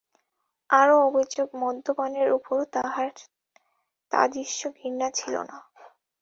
আরও অভিযোগ, মদ্যপানের উপরও তাঁহার তাদৃশ ঘৃণা ছিল না।